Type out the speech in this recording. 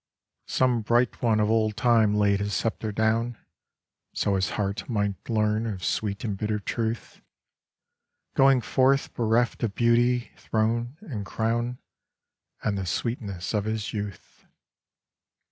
Some bright one of old time laid his sceptre down, So his heart might learn of sweet and bitter truth ; Going forth bereft of beauty, throne, and crown, And the sweetness of his youth.